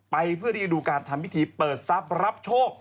เพื่อที่จะดูการทำพิธีเปิดทรัพย์รับโชค